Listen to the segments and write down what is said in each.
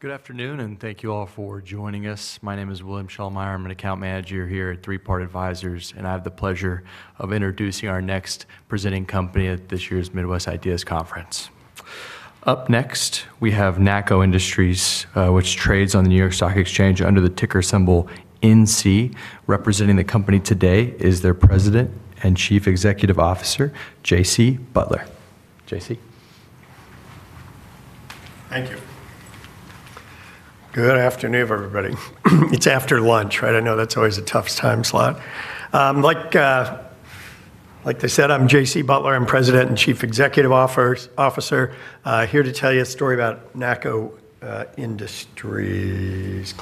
Good afternoon, and thank you all for joining us. My name is William Shelmire. I'm an Account Manager here at Three Part Advisors, and I have the pleasure of introducing our next presenting company at this year's Midwest Ideas Conference. Up next, we have NACCO Industries, which trades on the New York Stock Exchange under the ticker symbol NC. Representing the company today is their President and Chief Executive Officer, J.C. Butler. J.C. Thank you. Good afternoon, everybody. It's after lunch, right? I know that's always a tough time slot. Like they said, I'm J.C. Butler. I'm President and Chief Executive Officer, here to tell you a story about NACCO Industries.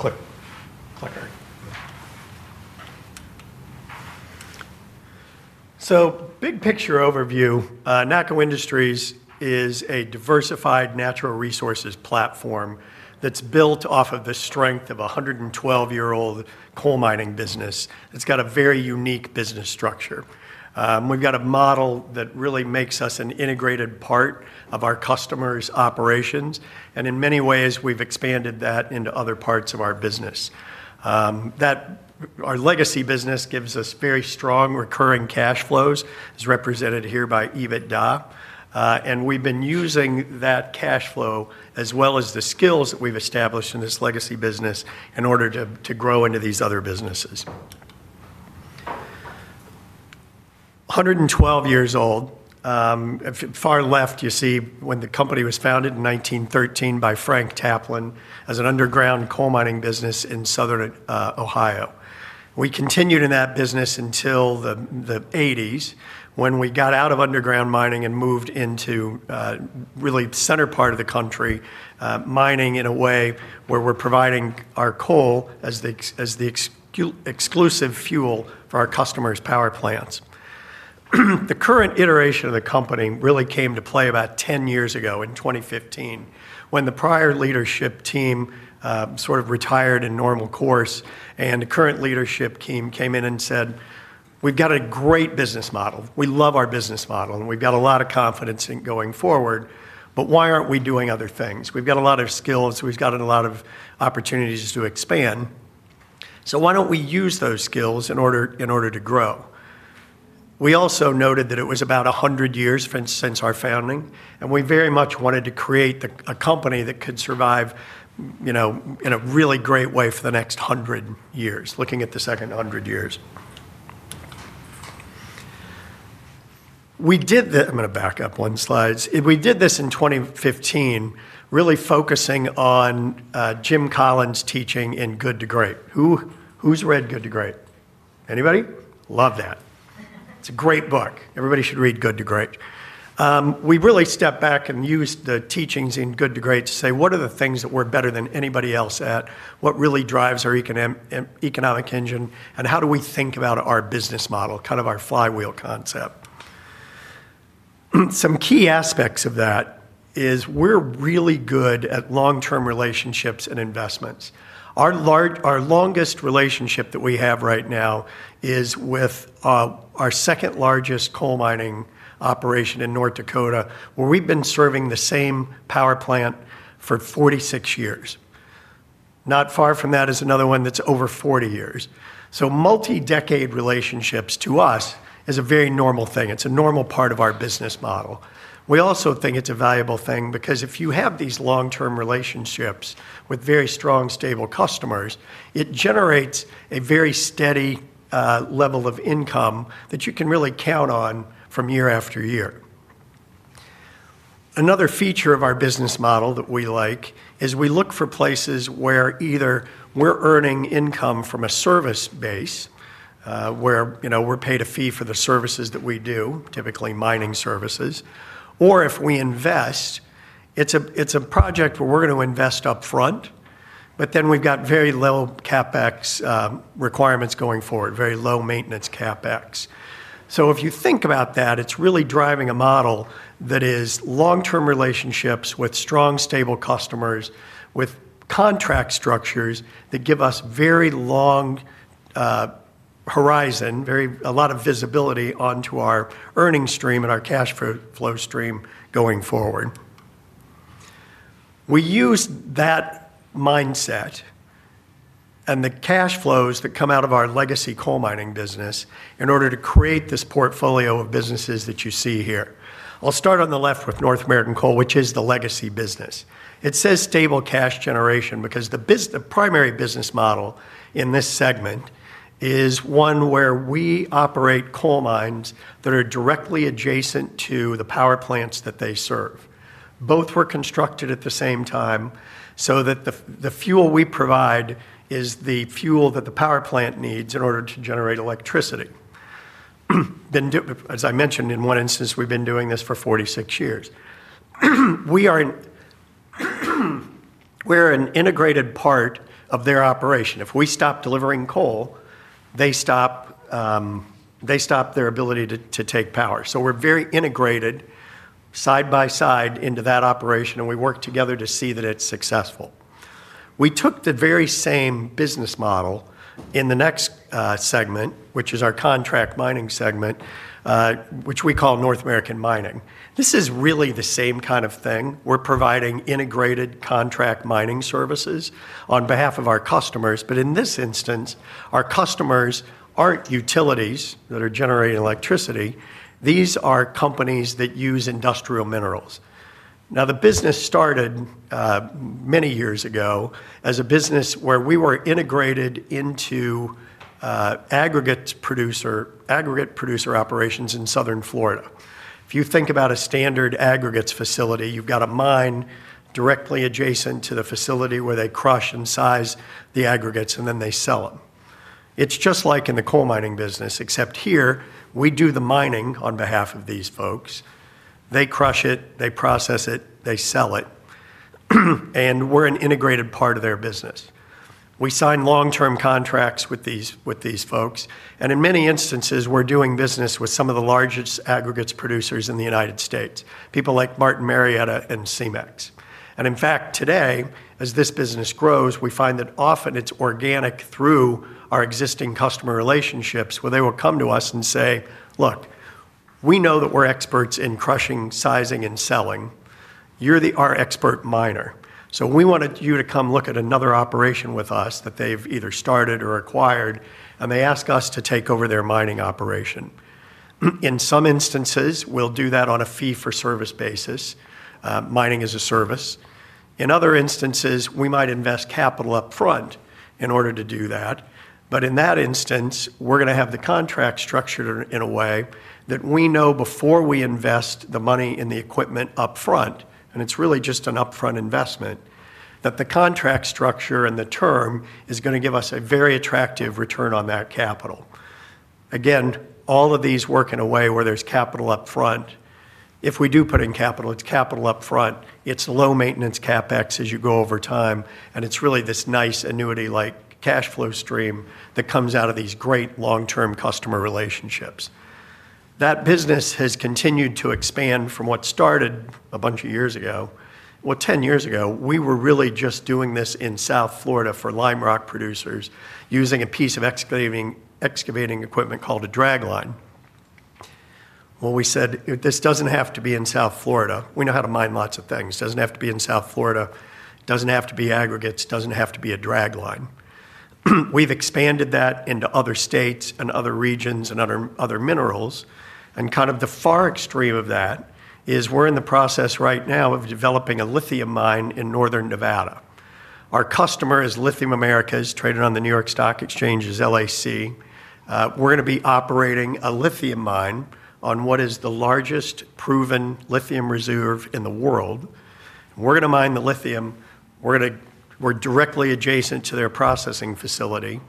Big picture overview, NACCO Industries is a diversified natural resources platform that's built off of the strength of a 112-year-old coal mining business. It has a very unique business structure. We've got a model that really makes us an integrated part of our customers' operations, and in many ways, we've expanded that into other parts of our business. Our legacy business gives us very strong recurring cash flows, as represented here by EBITDA, and we've been using that cash flow, as well as the skills that we've established in this legacy business, in order to grow into these other businesses. 112 years old. Far left, you see when the company was founded in 1913 by Frank Taplin as an underground coal mining business in Southern Ohio. We continued in that business until the 1980s, when we got out of underground mining and moved into a really center part of the country, mining in a way where we're providing our coal as the exclusive fuel for our customers' power plants. The current iteration of the company really came to play about 10 years ago, in 2015, when the prior leadership team retired in normal course, and the current leadership team came in and said, "We've got a great business model. We love our business model, and we've got a lot of confidence in going forward, but why aren't we doing other things? We've got a lot of skills, we've got a lot of opportunities to expand, so why don't we use those skills in order to grow?" We also noted that it was about 100 years since our founding, and we very much wanted to create a company that could survive in a really great way for the next 100 years, looking at the second 100 years. We did this, I'm going to back up one slide. We did this in 2015, really focusing on Jim Collins' teaching in Good to Great. Who's read Good to Great? Anybody? Love that. It's a great book. Everybody should read Good to Great. We really stepped back and used the teachings in Good to Great to say, "What are the things that we're better than anybody else at? What really drives our economic engine, and how do we think about our business model?" Kind of our flywheel concept. Some key aspects of that are we're really good at long-term relationships and investments. Our longest relationship that we have right now is with our second largest coal mining operation in North Dakota, where we've been serving the same power plant for 46 years. Not far from that is another one that's over 40 years. Multi-decade relationships to us are a very normal thing. It's a normal part of our business model. We also think it's a valuable thing because if you have these long-term relationships with very strong, stable customers, it generates a very steady level of income that you can really count on from year after year. Another feature of our business model that we like is we look for places where either we're earning income from a service base, where we're paid a fee for the services that we do, typically mining services, or if we invest, it's a project where we're going to invest upfront, but then we've got very low CapEx requirements going forward, very low maintenance CapEx. If you think about that, it's really driving a model that is long-term relationships with strong, stable customers, with contract structures that give us very long horizon, a lot of visibility onto our earnings stream and our cash flow stream going forward. We use that mindset and the cash flows that come out of our legacy coal mining business in order to create this portfolio of businesses that you see here. I'll start on the left with North American Coal, which is the legacy business. It says stable cash generation because the primary business model in this segment is one where we operate coal mines that are directly adjacent to the power plants that they serve. Both were constructed at the same time so that the fuel we provide is the fuel that the power plant needs in order to generate electricity. In one instance, we've been doing this for 46 years. We're an integrated part of their operation. If we stop delivering coal, they stop their ability to take power. We're very integrated side by side into that operation, and we work together to see that it's successful. We took the very same business model in the next segment, which is our contract mining segment, which we call North American Mining. This is really the same kind of thing. We're providing integrated contract mining services on behalf of our customers, but in this instance, our customers aren't utilities that are generating electricity. These are companies that use industrial minerals. The business started many years ago as a business where we were integrated into aggregate producer operations in Southern Florida. If you think about a standard aggregates facility, you've got a mine directly adjacent to the facility where they crush and size the aggregates, and then they sell them. It's just like in the coal mining business, except here we do the mining on behalf of these folks. They crush it, they process it, they sell it, and we're an integrated part of their business. We sign long-term contracts with these folks, and in many instances, we're doing business with some of the largest aggregates producers in the United States, people like Martin Marietta and Cemex. In fact, today, as this business grows, we find that often it's organic through our existing customer relationships where they will come to us and say, "Look, we know that we're experts in crushing, sizing, and selling. You're our expert miner. So we want you to come look at another operation with us that they've either started or acquired, and they ask us to take over their mining operation." In some instances, we'll do that on a fee-for-service basis, mining as a service. In other instances, we might invest capital upfront in order to do that, but in that instance, we're going to have the contract structured in a way that we know before we invest the money in the equipment upfront, and it's really just an upfront investment, that the contract structure and the term is going to give us a very attractive return on that capital. Again, all of these work in a way where there's capital upfront. If we do put in capital, it's capital upfront. It's low maintenance CapEx as you go over time, and it's really this nice annuity-like cash flow stream that comes out of these great long-term customer relationships. That business has continued to expand from what started a bunch of years ago. Ten years ago, we were really just doing this in South Florida for lime rock producers using a piece of excavating equipment called a drag line. We said, "This doesn't have to be in South Florida. We know how to mine lots of things. It doesn't have to be in South Florida. It doesn't have to be aggregates. It doesn't have to be a drag line." We've expanded that into other states and other regions and other minerals, and kind of the far extreme of that is we're in the process right now of developing a lithium mine in Northern Nevada. Our customer is Lithium Americas, traded on the New York Stock Exchange as LAC. We're going to be operating a lithium mine on what is the largest proven lithium reserve in the world. We're going to mine the Lithium. We're directly adjacent to their processing facility.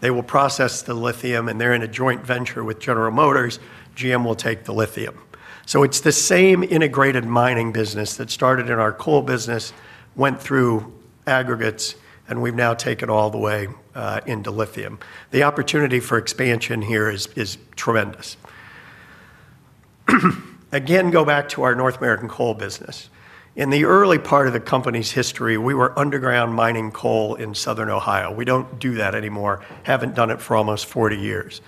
They will process the lithium, and they're in a joint venture with General Motors. GM will take the Lithium. It's the same integrated mining business that started in our coal business, went through aggregates, and we've now taken all the way into lithium. The opportunity for expansion here is tremendous. Again, go back to our North American Coal business. In the early part of the company's history, we were underground mining coal in Southern Ohio. We don't do that anymore. Haven't done it for almost 40 years.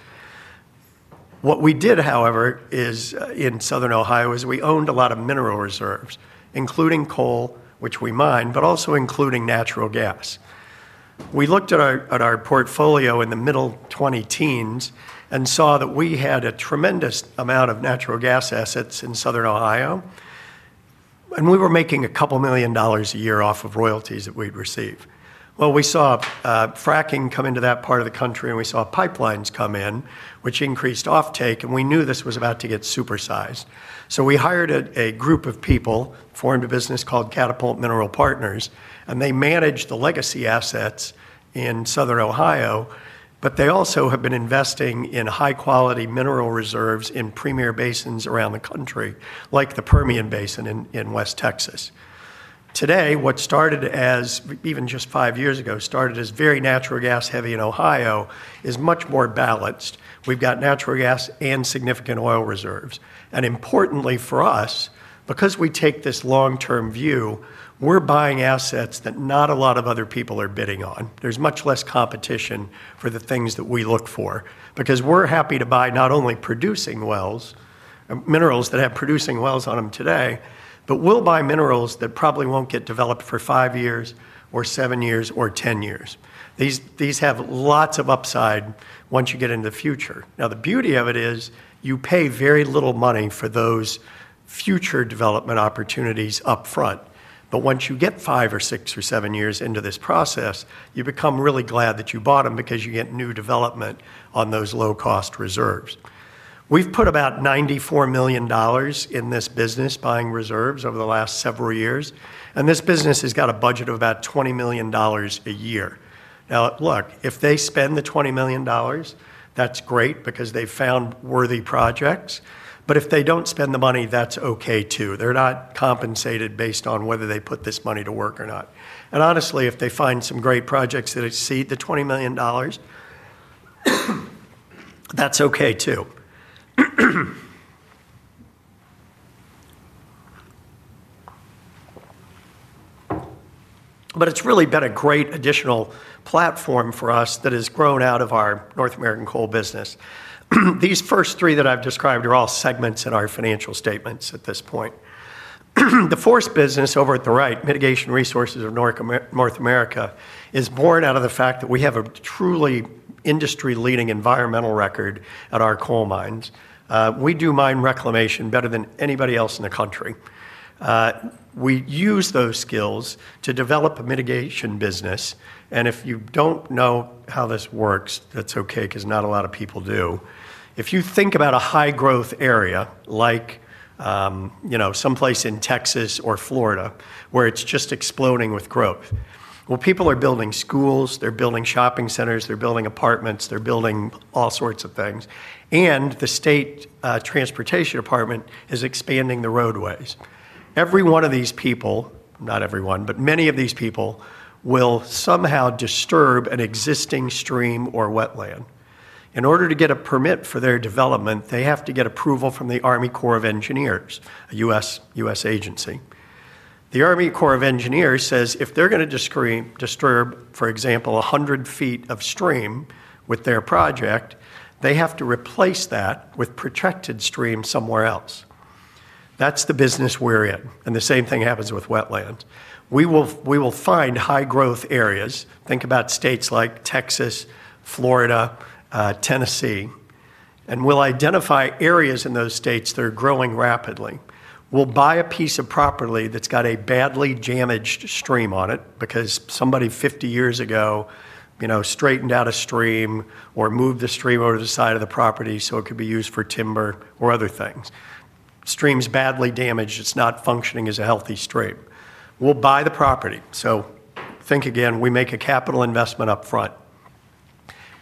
What we did, however, in Southern Ohio is we owned a lot of mineral reserves, including coal, which we mine, but also including natural gas. We looked at our portfolio in the middle 2010s and saw that we had a tremendous amount of natural gas assets in Southern Ohio, and we were making a couple million dollars a year off of royalties that we'd receive. We saw fracking come into that part of the country, and we saw pipelines come in, which increased offtake, and we knew this was about to get supersized. We hired a group of people, formed a business called Catapult Mineral Partners, and they manage the legacy assets in Southern Ohio, but they also have been investing in high-quality mineral reserves in premier basins around the country, like the Permian Basin in West Texas. Today, what started as, even just five years ago, started as very natural gas heavy in Ohio is much more balanced. We've got natural gas and significant oil reserves. Importantly for us, because we take this long-term view, we're buying assets that not a lot of other people are bidding on. There's much less competition for the things that we look for because we're happy to buy not only producing wells, minerals that have producing wells on them today, but we'll buy minerals that probably won't get developed for five years or seven years or ten years. These have lots of upside once you get into the future. The beauty of it is you pay very little money for those future development opportunities upfront, but once you get five or six or seven years into this process, you become really glad that you bought them because you get new development on those low-cost reserves. We've put about $94 million in this business, buying reserves over the last several years, and this business has got a budget of about $20 million a year. If they spend the $20 million, that's great because they've found worthy projects, but if they don't spend the money, that's okay too. They're not compensated based on whether they put this money to work or not. Honestly, if they find some great projects that exceed the $20 million, that's okay too. It's really been a great additional platform for us that has grown out of our North American Coal business. These first three that I've described are all segments in our financial statements at this point. The fourth business over at the right, Mitigation Resources of North America, is born out of the fact that we have a truly industry-leading environmental record at our coal mines. We do mine reclamation better than anybody else in the country. We use those skills to develop a mitigation business, and if you don't know how this works, that's okay because not a lot of people do. If you think about a high-growth area like someplace in Texas or Florida where it's just exploding with growth, people are building schools, they're building shopping centers, they're building apartments, they're building all sorts of things, and the state transportation department is expanding the roadways. Every one of these people, not everyone, but many of these people will somehow disturb an existing stream or wetland. In order to get a permit for their development, they have to get approval from the Army Corps of Engineers, a U.S. agency. The Army Corps of Engineers says if they're going to disturb, for example, 100 ft of stream with their project, they have to replace that with protected stream somewhere else. That's the business we're in, and the same thing happens with wetlands. We will find high-growth areas, think about states like Texas, Florida, Tennessee, and we'll identify areas in those states that are growing rapidly. We'll buy a piece of property that's got a badly damaged stream on it because somebody 50 years ago, you know, straightened out a stream or moved the stream over to the side of the property so it could be used for timber or other things. The stream's badly damaged, it's not functioning as a healthy stream. We'll buy the property. Think again, we make a capital investment upfront.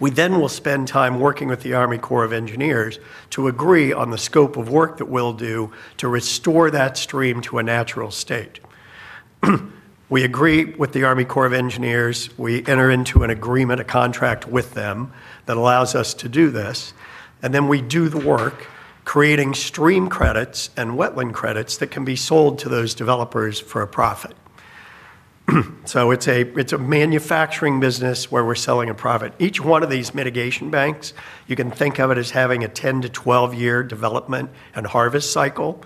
We then will spend time working with the Army Corps of Engineers to agree on the scope of work that we'll do to restore that stream to a natural state. We agree with the Army Corps of Engineers, we enter into an agreement, a contract with them that allows us to do this, and then we do the work, creating stream credits and wetland credits that can be sold to those developers for a profit. It's a manufacturing business where we're selling a profit. Each one of these mitigation banks, you can think of it as having a 10 to12-year development and harvest cycle.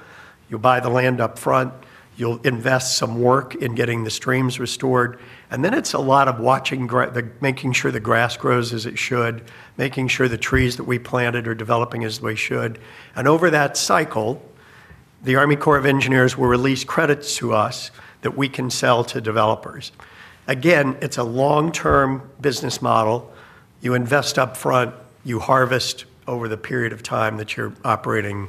You buy the land upfront, you invest some work in getting the streams restored, and then it's a lot of watching, making sure the grass grows as it should, making sure the trees that we planted are developing as they should, and over that cycle, the Army Corps of Engineers will release credits to us that we can sell to developers. It's a long-term business model. You invest upfront, you harvest over the period of time that you're operating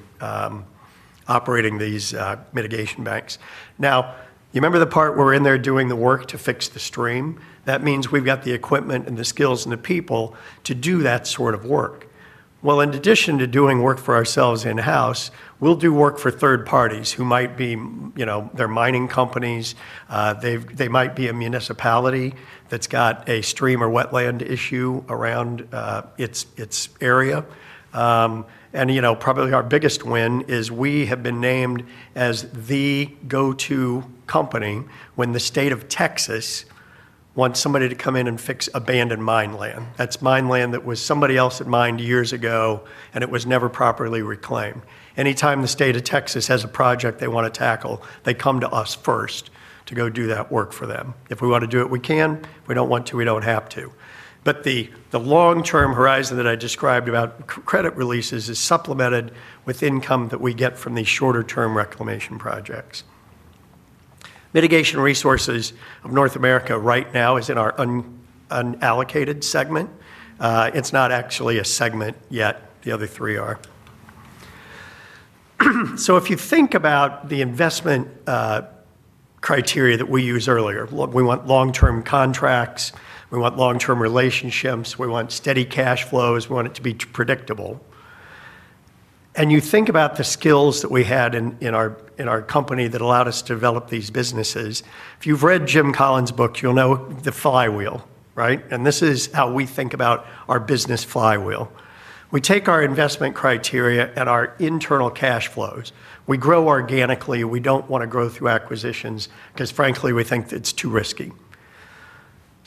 these mitigation banks. You remember the part where we're in there doing the work to fix the stream? That means we've got the equipment and the skills and the people to do that sort of work. In addition to doing work for ourselves in-house, we do work for third parties who might be, you know, they're mining companies, they might be a municipality that's got a stream or wetland issue around its area, and probably our biggest win is we have been named as the go-to company when the state of Texas wants somebody to come in and fix abandoned mine land. That's mine land that was somebody else that mined years ago, and it was never properly reclaimed. Anytime the state of Texas has a project they want to tackle, they come to us first to go do that work for them. If we want to do it, we can. If we don't want to, we don't have to. The long-term horizon that I described about credit releases is supplemented with income that we get from these shorter-term reclamation projects. Mitigation Resources of North America right now is in our unallocated segment. It's not actually a segment yet. The other three are. If you think about the investment criteria that we used earlier, we want long-term contracts, we want long-term relationships, we want steady cash flows, we want it to be predictable, and you think about the skills that we had in our company that allowed us to develop these businesses. If you've read Jim Collins' book, you know the flywheel, right? This is how we think about our business flywheel. We take our investment criteria and our internal cash flows. We grow organically. We don't want to grow through acquisitions because frankly, we think that it's too risky.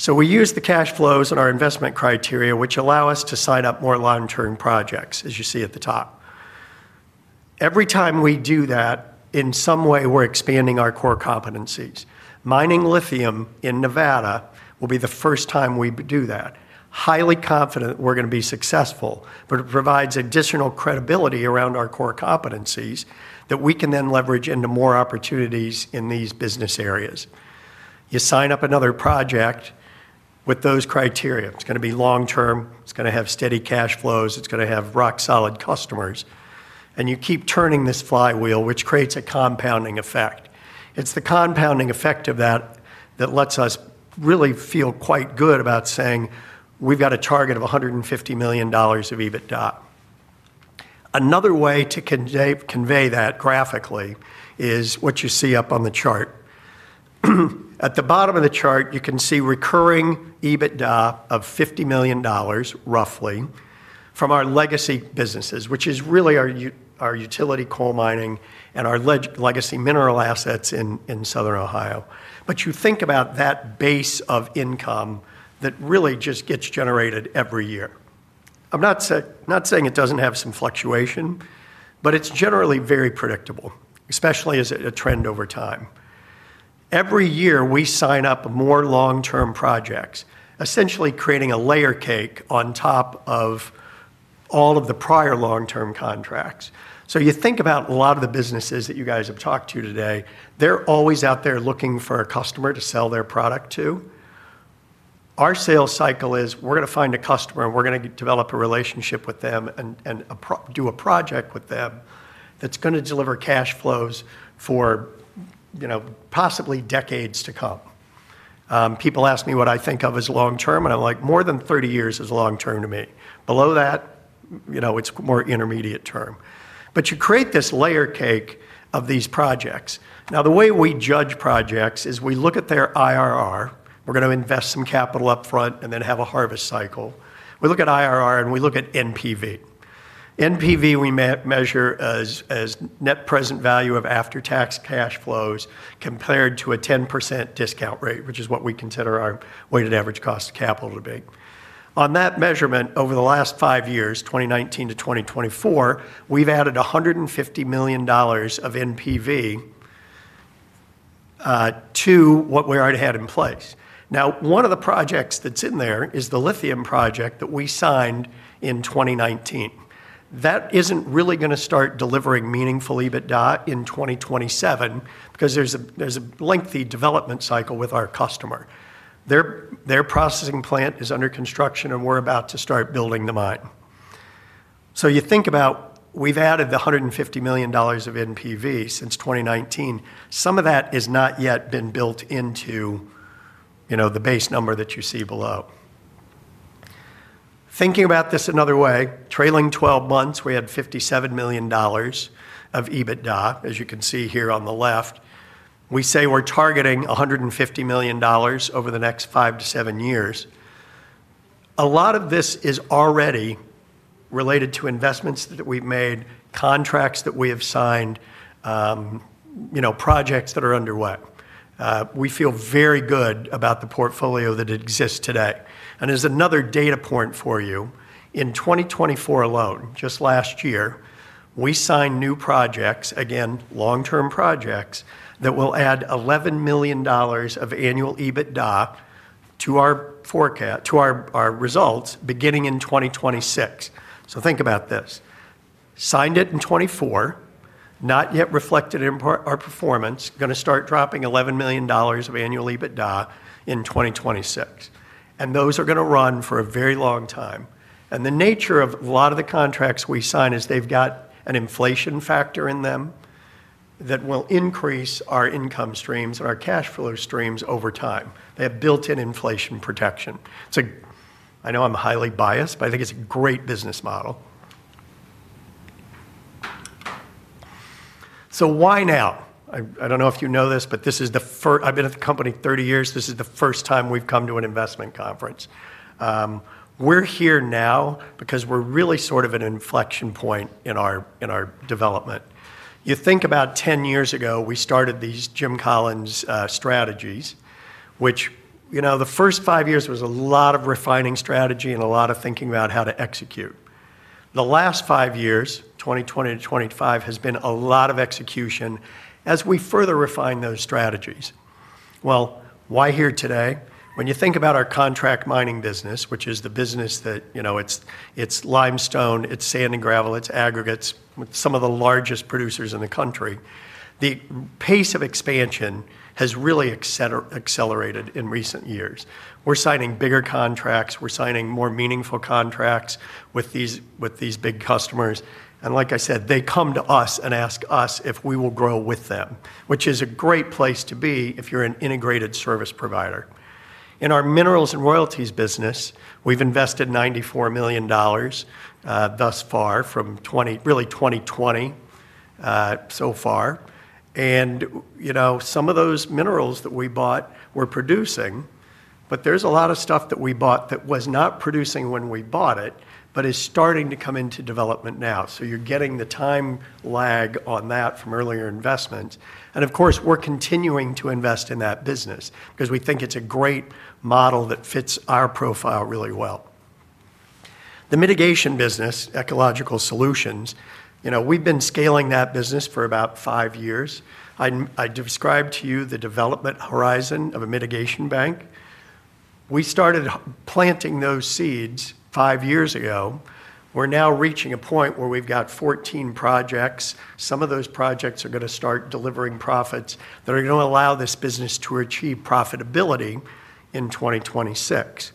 We use the cash flows and our investment criteria, which allow us to sign up more long-term projects, as you see at the top. Every time we do that, in some way, we're expanding our core competencies. Mining lithium in Nevada will be the first time we do that. Highly confident that we're going to be successful, but it provides additional credibility around our core competencies that we can then leverage into more opportunities in these business areas. You sign up another project with those criteria. It's going to be long-term. It's going to have steady cash flows. It's going to have rock-solid customers. You keep turning this flywheel, which creates a compounding effect. It's the compounding effect of that that lets us really feel quite good about saying we've got a target of $150 million of EBITDA. Another way to convey that graphically is what you see up on the chart. At the bottom of the chart, you can see recurring EBITDA of $50 million roughly from our legacy businesses, which is really our utility coal mining and our legacy mineral assets in Southern Ohio. You think about that base of income that really just gets generated every year. I'm not saying it doesn't have some fluctuation, but it's generally very predictable, especially as a trend over time. Every year, we sign up more long-term projects, essentially creating a layer cake on top of all of the prior long-term contracts. You think about a lot of the businesses that you guys have talked to today. They're always out there looking for a customer to sell their product to. Our sales cycle is we're going to find a customer and we're going to develop a relationship with them and do a project with them that's going to deliver cash flows for possibly decades to come. People ask me what I think of as long-term, and I'm like, more than 30 years is long-term to me. Below that, you know, it's more intermediate term. You create this layer cake of these projects. Now, the way we judge projects is we look at their IRR. We're going to invest some capital upfront and then have a harvest cycle. We look at IRR and we look at NPV. NPV we measure as net present value of after-tax cash flows compared to a 10% discount rate, which is what we consider our weighted average cost of capital to be. On that measurement, over the last five years, 2019 to 2024, we've added $150 million of NPV to what we already had in place. One of the projects that's in there is the lithium project that we signed in 2019. That isn't really going to start delivering meaningful EBITDA in 2027 because there's a lengthy development cycle with our customer. Their processing plant is under construction and we're about to start building the mine. You think about we've added the $150 million of NPV since 2019. Some of that has not yet been built into the base number that you see below. Thinking about this another way, trailing 12 months, we had $57 million of EBITDA, as you can see here on the left. We say we're targeting $150 million over the next five to seven years. A lot of this is already related to investments that we've made, contracts that we have signed, projects that are underway. We feel very good about the portfolio that exists today. As another data point for you, in 2024 alone, just last year, we signed new projects, again, long-term projects that will add $11 million of annual EBITDA to our results beginning in 2026. Think about this. Signed it in 2024, not yet reflected in our performance, going to start dropping $11 million of annual EBITDA in 2026. Those are going to run for a very long time. The nature of a lot of the contracts we sign is they've got an inflation factor in them that will increase our income streams and our cash flow streams over time. They have built-in inflation protection. I know I'm highly biased, but I think it's a great business model. Why now? I don't know if you know this, but this is the first, I've been at the company 30 years, this is the first time we've come to an investment conference. We're here now because we're really sort of at an inflection point in our development. You think about 10 years ago, we started these Jim Collins strategies, which, you know, the first five years was a lot of refining strategy and a lot of thinking about how to execute. The last five years, 2020 to 2025, has been a lot of execution as we further refine those strategies. Why here today? When you think about our contract mining business, which is the business that, you know, it's limestone, it's sand and gravel, it's aggregates, some of the largest producers in the country, the pace of expansion has really accelerated in recent years. We're signing bigger contracts, we're signing more meaningful contracts with these big customers. Like I said, they come to us and ask us if we will grow with them, which is a great place to be if you're an integrated service provider. In our minerals and royalties business, we've invested $94 million thus far from really 2020 so far. Some of those minerals that we bought were producing, but there's a lot of stuff that we bought that was not producing when we bought it, but is starting to come into development now. You're getting the time lag on that from earlier investments. Of course, we're continuing to invest in that business because we think it's a great model that fits our profile really well. The mitigation business, Ecological Solutions, we've been scaling that business for about five years. I described to you the development horizon of a mitigation bank. We started planting those seeds five years ago. We're now reaching a point where we've got 14 projects. Some of those projects are going to start delivering profits that are going to allow this business to achieve profitability in 2026.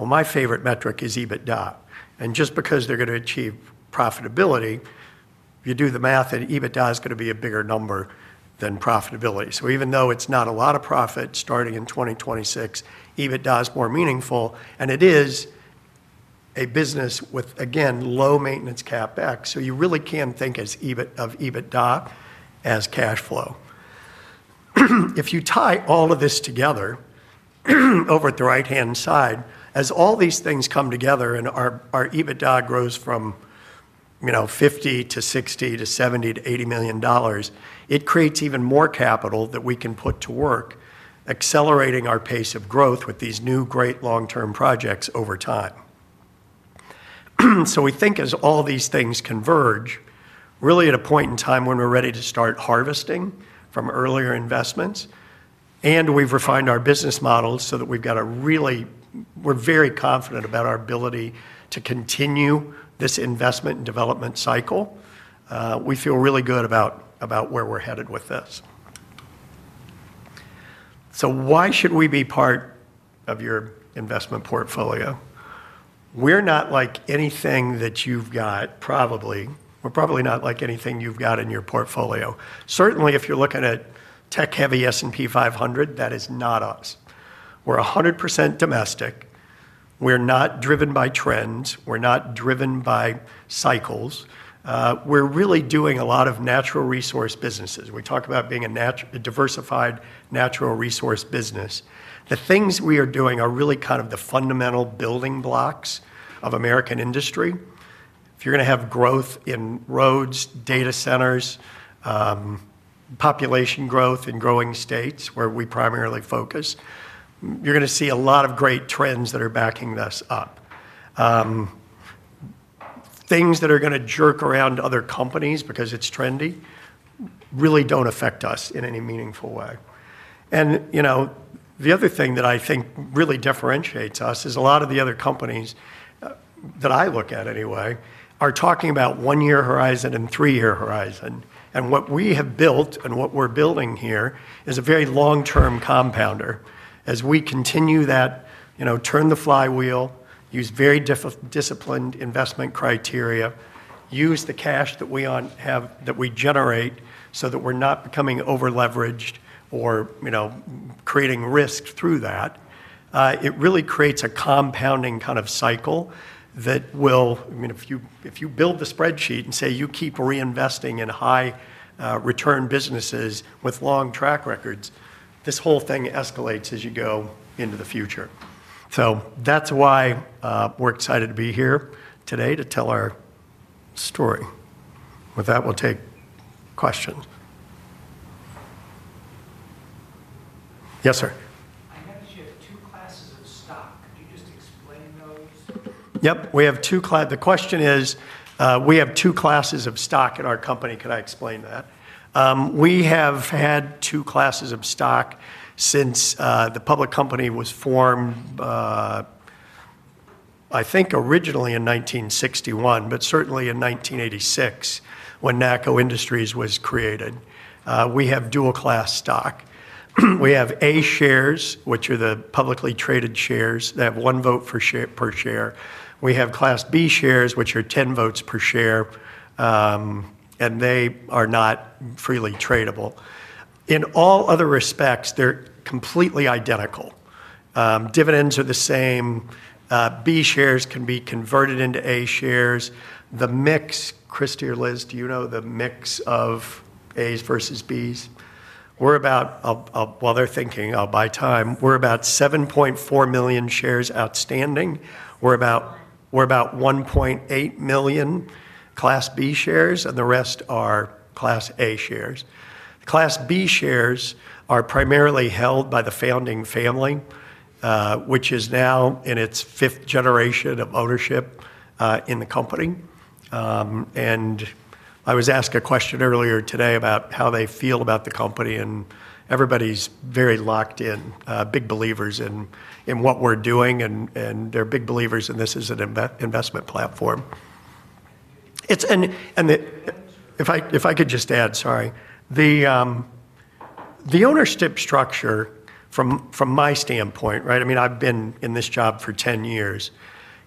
My favorite metric is EBITDA. Just because they're going to achieve profitability, you do the math and EBITDA is going to be a bigger number than profitability. Even though it's not a lot of profit starting in 2026, EBITDA is more meaningful, and it is a business with, again, low maintenance CapEx. You really can think of EBITDA as cash flow. If you tie all of this together over at the right-hand side, as all these things come together and our EBITDA grows from $50 million to $60 million to $70 million to $80 million, it creates even more capital that we can put to work, accelerating our pace of growth with these new great long-term projects over time. We think as all these things converge, really at a point in time when we're ready to start harvesting from earlier investments, and we've refined our business models so that we've got a really, we're very confident about our ability to continue this investment and development cycle, we feel really good about where we're headed with this. Why should we be part of your investment portfolio? We're not like anything that you've got, probably. We're probably not like anything you've got in your portfolio. Certainly, if you're looking at tech-heavy S&P 500, that is not us. We're 100% domestic. We're not driven by trends. We're not driven by cycles. We're really doing a lot of natural resource businesses. We talk about being a diversified natural resource business. The things we are doing are really kind of the fundamental building blocks of American industry. If you're going to have growth in roads, data centers, population growth in growing states where we primarily focus, you're going to see a lot of great trends that are backing this up. Things that are going to jerk around other companies because it's trendy really don't affect us in any meaningful way. The other thing that I think really differentiates us is a lot of the other companies, that I look at anyway, are talking about one-year horizon and three-year horizon. What we have built and what we're building here is a very long-term compounder. As we continue that, you know, turn the flywheel, use very disciplined investment criteria, use the cash that we have, that we generate so that we're not becoming over-leveraged or, you know, creating risks through that. It really creates a compounding kind of cycle that will, I mean, if you build the spreadsheet and say you keep reinvesting in high-return businesses with long track records, this whole thing escalates as you go into the future. That's why we're excited to be here today to tell our story. With that, we'll take questions. Yes, sir. I noticed you have two classes of stock. Did you just. Yep, we have two. The question is, we have two classes of stock in our company. Can I explain that? We have had two classes of stock since the public company was formed, I think originally in 1961, but certainly in 1986 when NACCO Industries was created. We have dual class stock. We have A shares, which are the publicly traded shares. They have one vote per share. We have Class B shares, which are 10 votes per share, and they are not freely tradable. In all other respects, they're completely identical. Dividends are the same. B shares can be converted into A shares. The mix, Christy or Liz, do you know the mix of A's versus B's? We're about, while they're thinking, I'll buy time, we're about 7.4 million shares outstanding. We're about 1.8 million Class B shares, and the rest are Class A shares. Class B shares are primarily held by the founding family, which is now in its fifth generation of ownership in the company. I was asked a question earlier today about how they feel about the company, and everybody's very locked in, big believers in what we're doing, and they're big believers in this as an investment platform. If I could just add, sorry, the ownership structure from my standpoint, right? I mean, I've been in this job for 10 years.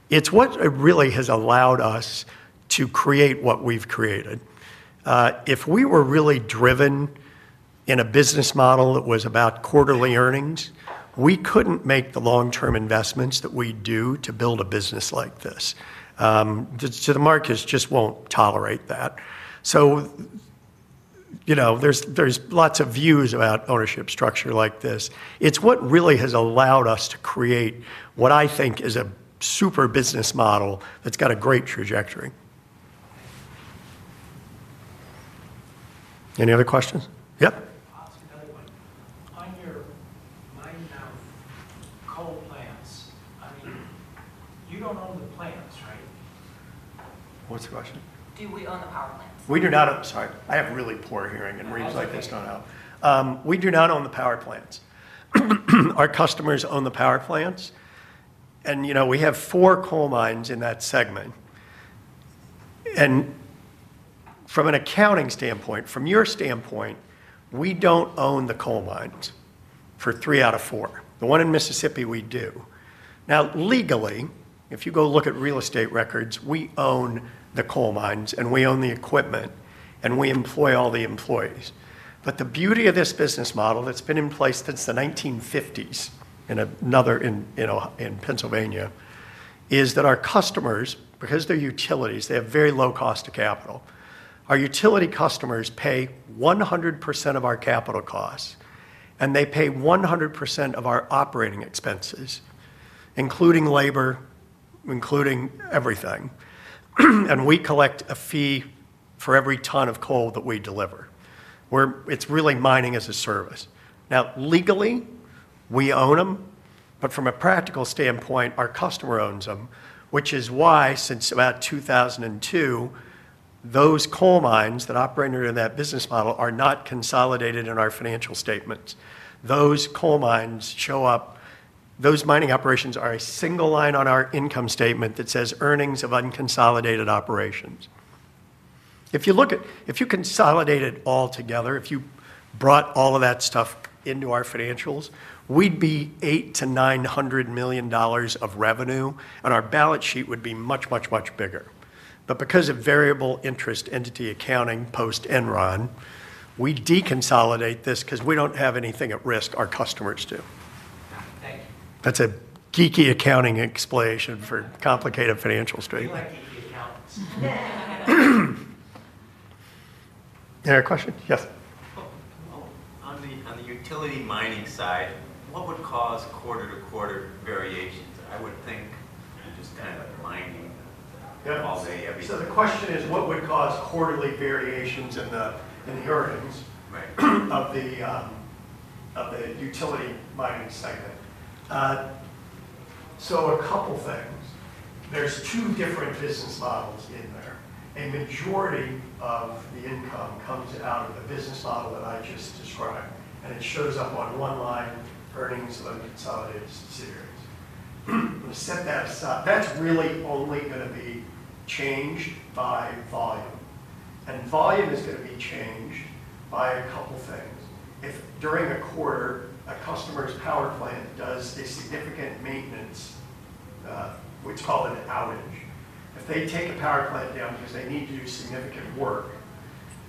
It's what really has allowed us to create what we've created. If we were really driven in a business model that was about quarterly earnings, we couldn't make the long-term investments that we do to build a business like this. The markets just won't tolerate that. There are lots of views about ownership structure like this. It's what really has allowed us to create what I think is a super business model that's got a great trajectory. Any other questions? Yep. I'll take another one. On your mining now, coal plants, I mean, you don't own the plants, right? What's the question? Do we own the power plants? We do not own the power plants. Our customers own the power plants. We have four coal mines in that segment. From an accounting standpoint, from your standpoint, we do not own the coal mines for three out of four. The one in Mississippi, we do. Now, legally, if you go look at real estate records, we own the coal mines and we own the equipment and we employ all the employees. The beauty of this business model that's been in place since the 1950s in another in Pennsylvania is that our customers, because they're utilities, have very low cost of capital. Our utility customers pay 100% of our capital costs and they pay 100% of our operating expenses, including labor, including everything. We collect a fee for every ton of coal that we deliver. It's really mining as a service. Now, legally, we own them, but from a practical standpoint, our customer owns them, which is why since about 2002, those coal mines that operate under that business model are not consolidated in our financial statements. Those coal mines show up, those mining operations are a single line on our income statement that says earnings of unconsolidated operations. If you consolidated all together, if you brought all of that stuff into our financials, we'd be $800 million-$900 million of revenue and our balance sheet would be much, much, much bigger. Because of variable interest entity accounting post-Enron, we de-consolidate this because we do not have anything at risk, our customers do. Thank you. That's a geeky accounting explanation for complicated financial statements. Any other questions? Yes. On the utility mining side, what would cause quarter-to-quarter variations? I would think just kind of a mining all day. The question is, what would cause quarterly variations in the earnings of the utility mining segment? A couple of things. There are two different business models in there. A majority of the income comes out of the business model that I just described, and it shows up on one line, earnings of unconsolidated series. We've set that aside. That's really only going to be changed by volume, and volume is going to be changed by a couple of things. If during a quarter a customer's power plant does a significant maintenance, we call it an outage. If they take a power plant down because they need to do significant work,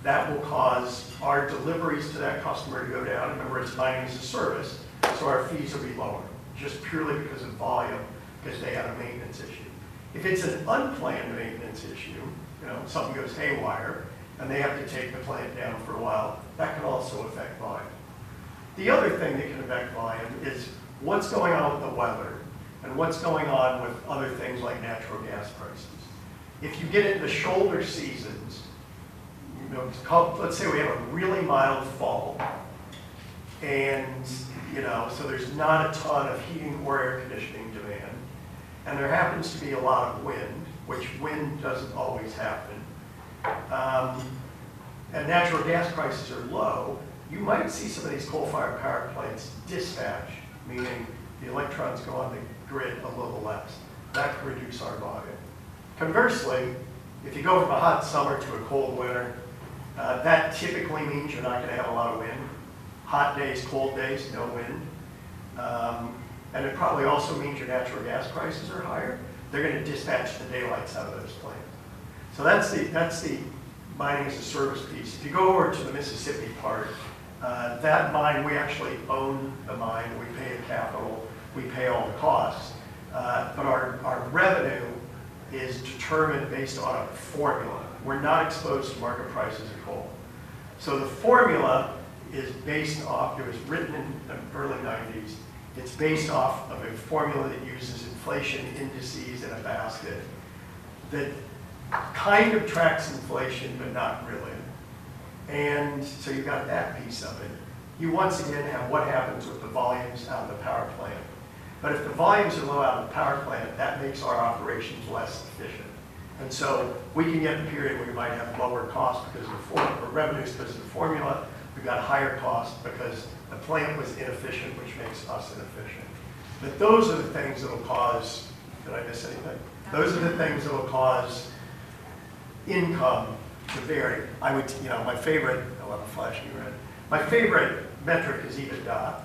that will cause our deliveries to that customer to go down. In other words, mining is a service, so our fees will be lower, just purely because of volume, because they have a maintenance issue. If it's an unplanned maintenance issue, something goes haywire and they have to take the plant down for a while, that could also affect volume. The other thing that can affect volume is what's going on with the weather and what's going on with other things like natural gas prices. If you get it in the shoulder seasons, let's say we have a really mild fall, so there's not a ton of heating or air conditioning demand and there happens to be a lot of wind, which wind doesn't always happen, and natural gas prices are low, you might see some of these coal-fired power plants dispatch, meaning the electrons go on the grid below the lights. That could reduce our volume. Conversely, if you go from a hot summer to a cold winter, that typically means you're not going to have a lot of wind. Hot days, cold days, no wind. It probably also means your natural gas prices are higher. They're going to dispatch the daylights out of those plants. That's the mining as a service piece. If you go over to the Mississippi part, that mine, we actually own the mine. We pay the capital. We pay all the costs. Our revenue is determined based on a formula. We're not exposed to market prices at all. The formula is based off, it was written in the early 1990s, it's based off of a formula that uses inflation indices in a basket that kind of tracks inflation, but not really. You've got that piece of it. You once again have what happens with the volumes on the power plant. If the volumes are low on the power plant, that makes our operations less efficient. We can get the period where we might have lower costs because of a revenue-specific formula. We've got higher costs because a plant was inefficient, which makes us inefficient. Those are the things that will cause income to vary. My favorite, I want to flash you red, my favorite metric is EBITDA.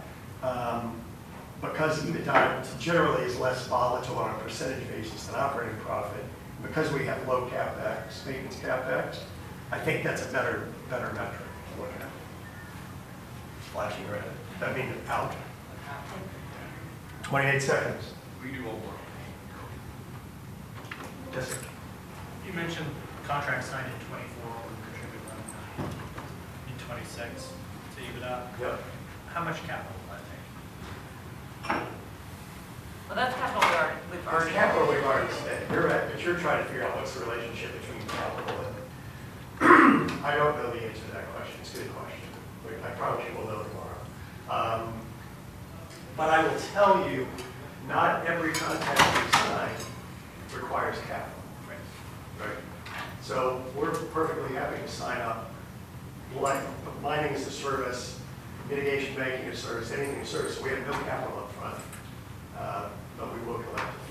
EBITDA generally is less volatile on a percentage basis than operating profit. Because we have low CapEx, maintenance CapEx, I think that's a better metric for that. Let's flash you red. That'd be the falcon. What happened? 28 seconds. Reading one more. Yes, sir. You mentioned contract signing in 2024 and then EBITDA in 2026. You've got what? How much capital? That's kind of where we've already spent. Bear in mind that you're tryin g to figure out what's the relationship between capital. I don't know the answer to that question. It's a good question. I promise you we'll know tomorrow. I will tell you, not every contract you sign requires capital. Right. We're perfectly happy to sign up. One, mining is a service. Mitigation banking is a service. Anything is a service. We have no capital upfront.